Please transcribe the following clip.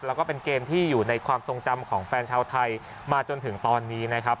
แล้วก็เป็นเกมที่อยู่ในความทรงจำของแฟนชาวไทยมาจนถึงตอนนี้นะครับ